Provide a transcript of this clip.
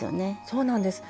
そうなんです。